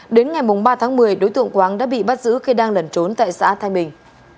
đến ngày ba tháng một mươi đối tượng quang đã bị bắt giữ khi đang lẩn trốn tại xã thanh bình